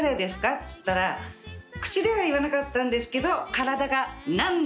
っつったら口では言わなかったんですけど体が「何でだよ！」って言ってました。